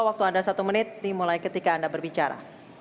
waktu anda satu menit dimulai ketika anda berbicara